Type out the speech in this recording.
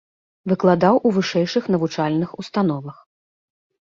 Выкладаў у вышэйшых навучальных установах.